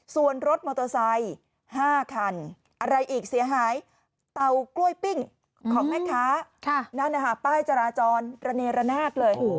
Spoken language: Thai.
ส่วนรถมอเตอร์ไซค์๕คันอะไรอีกเสียหายเตากล้วยปิ้งของแม่ค้านั่นนะคะป้ายจราจรระเนรนาศเลย